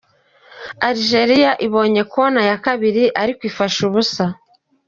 Algeria ibonye Corner ya Kabiri ariko ifashe ubusa.